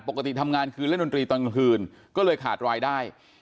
ปกติทำงานคืนเล่นดนตรีตอนกลางคืนก็เลยขาดรายได้